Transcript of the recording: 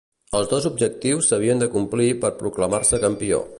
Els dos objectius s'havien de complir per proclamar-se campió.